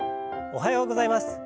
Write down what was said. おはようございます。